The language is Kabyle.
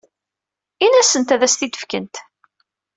Ini-asent ad as-t-id-fkent.